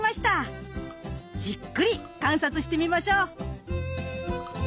じっくり観察してみましょう。